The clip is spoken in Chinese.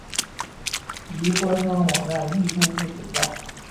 其官方网站亦不复存在。